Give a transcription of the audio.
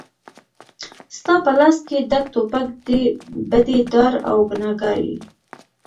ستا په لاس کې ډک توپک دی بدي دار او ګنهګار یې